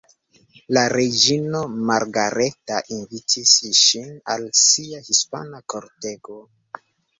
La reĝino Margareta invitis ŝin al sia hispana kortego.